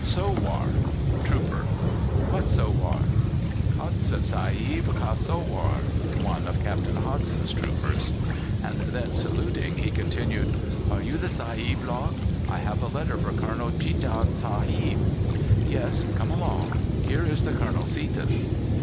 "Sowar" (trooper). "What sowar?" "Hodson Sahib Ka Sowar" (one of Captain Hodson's troopers). And then, saluting, he continued: "Are you the Sahib log? I have a letter for Colonel Cheetun Sahib." "Yes, come along; here is the Colonel Seaton."